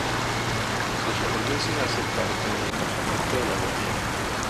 Su superficie hace parte del departamento de La Guajira.